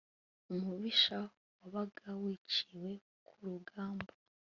umubisha wabaga wiciwe kurugamba